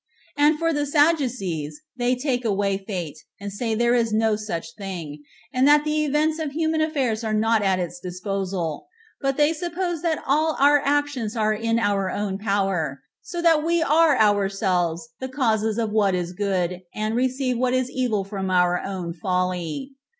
And for the Sadducees, they take away fate, and say there is no such thing, and that the events of human affairs are not at its disposal; but they suppose that all our actions are in our own power, so that we are ourselves the causes of what is good, and receive what is evil from our own folly.